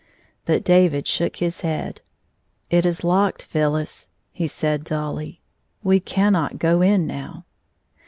But David shook his head. It is locked, Phyllis," said he, dully. " We cannot go in now."